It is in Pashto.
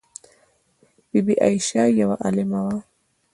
بی بي عایشه یوه عالمه وه.